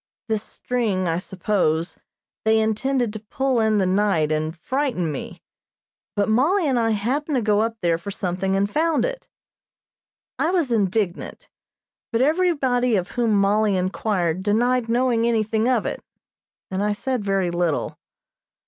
This string, I suppose, they intended to pull in the night and frighten me; but Mollie and I happened to go up there for something and found it. I was indignant, but everybody of whom Mollie inquired denied knowing anything of it, and I said very little.